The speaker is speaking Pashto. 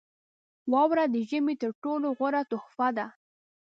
• واوره د ژمي تر ټولو غوره تحفه ده.